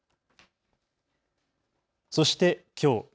そして、きょう。